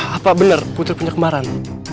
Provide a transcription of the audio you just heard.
apa bener putri punya kemaran